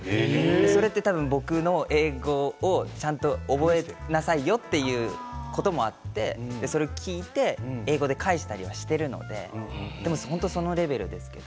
それで多分僕の英語をちゃんと覚えなさいよということもあってそれを聞いて英語で返したりはしているのでそのレベルですけど。